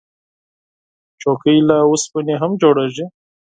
چوکۍ له اوسپنې هم جوړیږي.